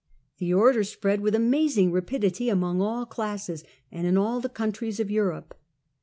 The Order spread with amazing rapidity, among all classes, and in all the countries of Europe.